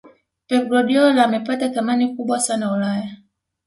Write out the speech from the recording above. pep guardiola amepata thamani kubwa sana ulaya